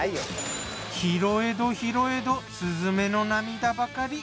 拾えど拾えどすずめの涙ばかり。